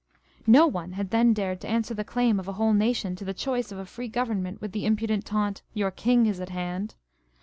No one had then dared to answer the claim of a whole nation to the choice of a free government with the im pudent taunt, "Your King is at hand